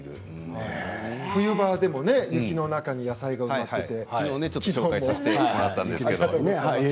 冬場でも雪の中に野菜が埋まっていて。